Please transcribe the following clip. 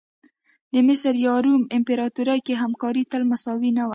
د مصر یا روم امپراتوري کې همکاري تل مساوي نه وه.